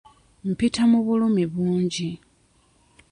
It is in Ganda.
Mpita mu bulumi bungi.